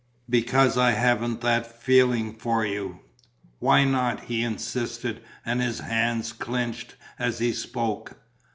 "Because I haven't that feeling for you." "Why not?" he insisted; and his hands clenched as he spoke.